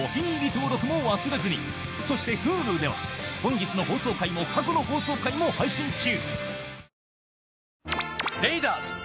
登録も忘れずにそしてＨｕｌｕでは本日の放送回も過去の放送回も配信中